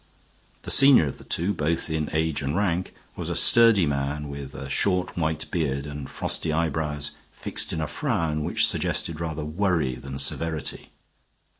The senior of the two, both in age and rank, was a sturdy man with a short white beard, and frosty eyebrows fixed in a frown which suggested rather worry than severity.